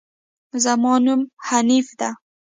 زما نوم حنيف ده